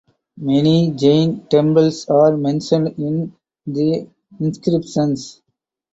Many Jain temples are mentioned in the inscriptions.